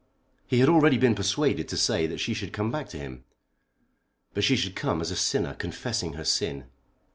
He had already been persuaded to say that she should come back to him; but she should come as a sinner confessing her sin.